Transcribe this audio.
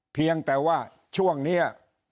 เพียงแต่ว่าช่วงนี้